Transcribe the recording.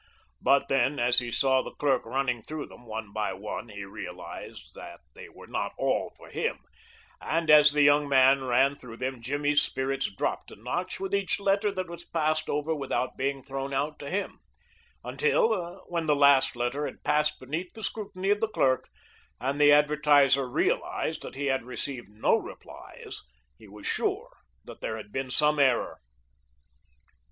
But then, as he saw the clerk running through them one by one, he realized that they were not all for him, and as the young man ran through them Jimmy's spirits dropped a notch with each letter that was passed over without being thrown out to him, until, when the last letter had passed beneath the scrutiny of the clerk, and the advertiser realized that he had received no replies, he was quite sure that there was some error.